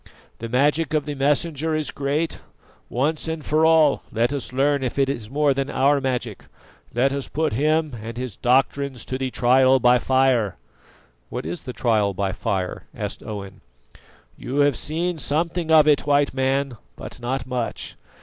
The magic of the Messenger is great; once and for all let us learn if it is more than our magic. Let us put him and his doctrines to the trial by fire." "What is the trial by fire?" asked Owen. "You have seen something of it, White Man, but not much.